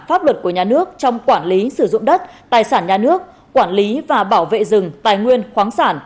pháp luật của nhà nước trong quản lý sử dụng đất tài sản nhà nước quản lý và bảo vệ rừng tài nguyên khoáng sản